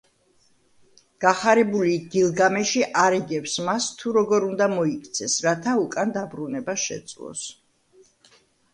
გახარებული გილგამეში არიგებს მას, თუ როგორ უნდა მოიქცეს, რათა უკან დაბრუნება შეძლოს.